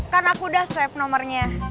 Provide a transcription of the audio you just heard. kan aku udah save nomernya